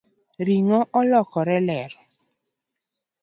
Ringo olokore ler